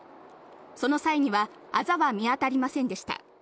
その際にはアザは見当たりませんでした。